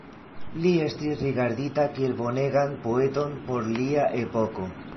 Li estis rigardita kiel bonegan poeton por lia epoko.